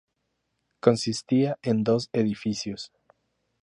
Consistía en dos edificios.